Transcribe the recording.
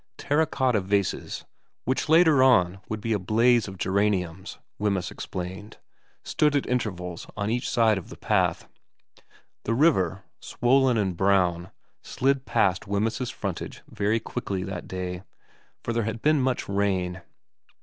Terra cotta vases, which later on would be a blaze of geraniums, Wemyss explained, stood at intervals on each side of the path. The river, swollen and brown, slid past Wemyss's frontage very quickly that day, for there had been much rain.